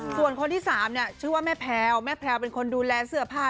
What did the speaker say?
ส่วนคนที่สามเนี่ยชื่อว่าแม่แพลวแม่แพลวเป็นคนดูแลเสื้อผ้า